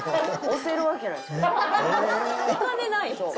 お金ない！